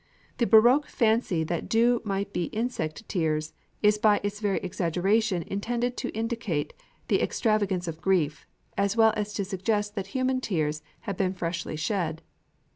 The baroque fancy that dew might be insect tears, is by its very exaggeration intended to indicate the extravagance of grief, as well as to suggest that human tears have been freshly shed.